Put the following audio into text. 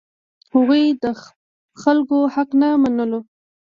هغوی د خلکو حق نه منلو.